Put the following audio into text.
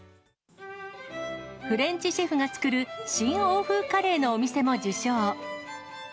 フレンチシェフが作る新欧風カレーのお店も受賞。